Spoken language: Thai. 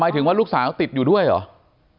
ถึงว่าลูกสาวติดอยู่ด้วยเหรอ